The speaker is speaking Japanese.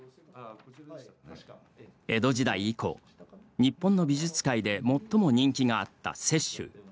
江戸時代以降、日本の美術界で最も人気があった雪舟。